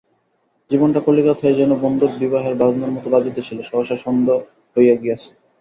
জীবনটা কলিকাতায় যেন বন্ধুর বিবাহের বাজনার মতো বাজিতেছিল, সহসা স্বন্ধ হইয়া গিয়াছে।